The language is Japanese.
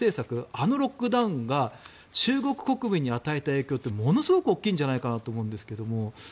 あのロックダウンが中国国民に与えた影響はものすごく大きいと思うんですが。